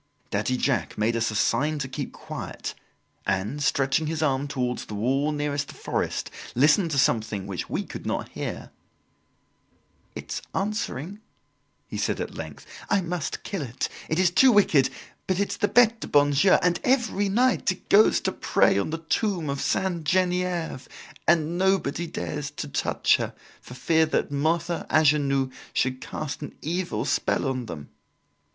Daddy Jacques made us a sign to keep quiet and, stretching his arm towards the wall nearest the forest, listened to something which we could not hear. "It's answering," he said at length. "I must kill it. It is too wicked, but it's the Bete du bon Dieu, and, every night, it goes to pray on the tomb of Sainte Genevieve and nobody dares to touch her, for fear that Mother Angenoux should cast an evil spell on them."